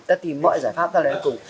ta tìm mọi giải pháp ta làm đến cùng